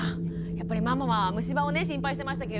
やっぱりママは虫歯をね心配してましたけれども。